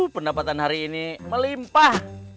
pendapatan hari ini melimpah